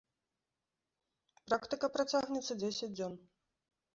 Практыка працягнецца дзесяць дзён.